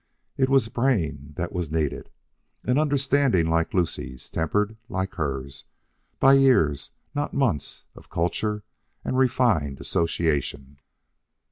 It was brain that was needed an understanding like Lucie's, tempered, like hers, by years, not months, of culture and refined association.